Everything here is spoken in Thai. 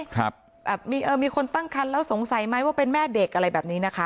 ครับแบบมีเออมีคนตั้งคันแล้วสงสัยไหมว่าเป็นแม่เด็กอะไรแบบนี้นะคะ